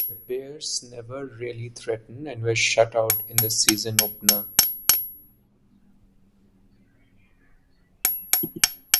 The Bears never really threatened and were shutout in the season opener.